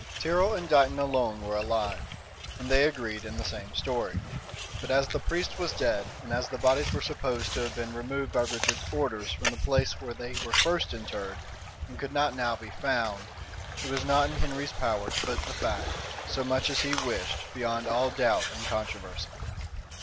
Tyrrel and Dighton alone were alive, and they agreed in the same story; but as the priest was dead, and as the bodies were supposed to have been removed by Richard's orders from the place where they were first interred, and could not now be found, it was not in Henry's power to put the fact, so much as he wished, beyond all doubt and controversy.